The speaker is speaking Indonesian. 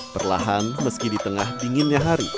perlahan meski di tengah dinginnya hari